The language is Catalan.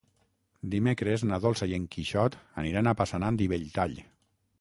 Dimecres na Dolça i en Quixot aniran a Passanant i Belltall.